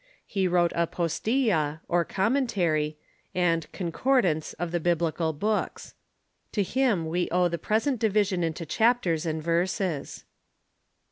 He wrote a Postilla or Commentary, and " Concordance " of the Biblical books. To him we owe the present division into chapters and verses.